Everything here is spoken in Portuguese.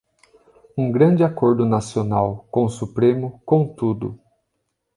Um grande acordo nacional, com Supremo, com tudo